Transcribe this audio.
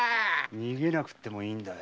逃げなくってもいいんだよ。